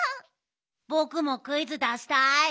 ぼくもクイズだしたい！